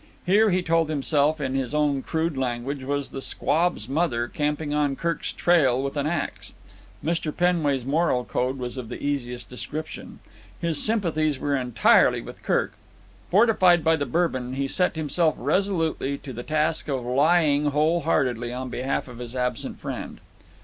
Here, he told himself in his own crude language, was the squab's mother camping on Kirk's trail with an axe. Mr. Penway's moral code was of the easiest description. His sympathies were entirely with Kirk. Fortified by the Bourbon, he set himself resolutely to the task of lying whole heartedly on behalf of his absent friend.